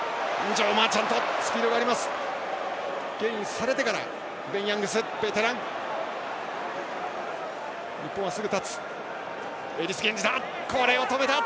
ジョー・マーチャントスピードがあります。